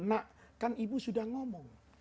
nak kan ibu sudah ngomong